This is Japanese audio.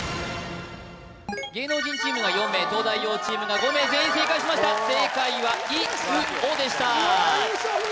芸能人チームが４名東大王チームが５名全員正解しました正解はイウオでしたうわ